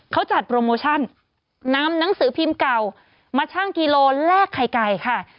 เขาจัดโปรโมชั่นนำหนังสือพิมพ์เก่ามาชั่งกิโลแลกไข่ไก่ค่ะ